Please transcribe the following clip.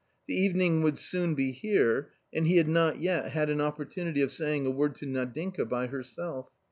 The evening would soon be here, and he had not yet had an opportunity of saying a word to Nadinka by herself.